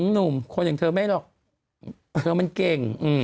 หนุ่มคนอย่างเธอไม่หรอกเธอมันเก่ง